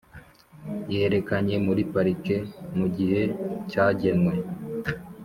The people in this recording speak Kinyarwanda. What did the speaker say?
yerekanye muri parike mugihe cyagenwe.